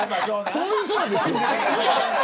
こういう人なんですよ。